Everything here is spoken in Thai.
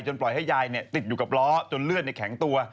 ปล่อยให้ยายติดอยู่กับล้อจนเลือดแข็งตัว